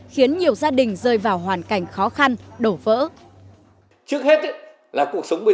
khiến nhiều gia đình rơi vào hoàn cảnh khó khăn đổ vỡ